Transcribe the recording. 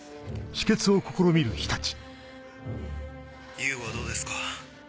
雄吾はどうですか？